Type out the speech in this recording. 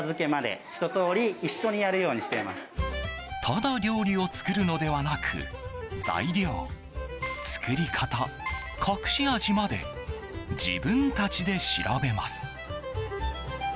ただ料理を作るのではなく材料、作り方、隠し味まで自分たちで調べます。